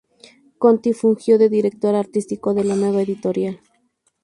Conti fungió de director artístico de la nueva editorial.